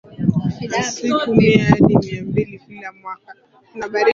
na siku Mia Hadi Mia mbili kila mwaka